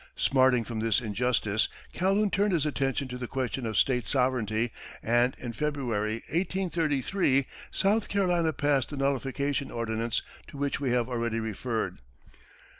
Smarting from this injustice, Calhoun turned his attention to the question of state sovereignty, and in February, 1833, South Carolina passed the nullification ordinance to which we have already referred.